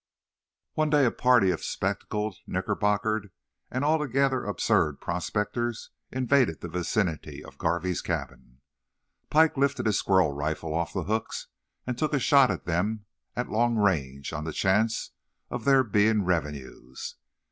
One day a party of spectacled, knickerbockered, and altogether absurd prospectors invaded the vicinity of the Garvey's cabin. Pike lifted his squirrel rifle off the hooks and took a shot at them at long range on the chance of their being revenues.